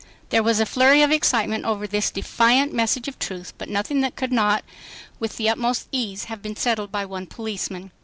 There was a flurry of excitement over this defiant message of truth, but nothing that could not with the utmost ease have been settled by one policeman.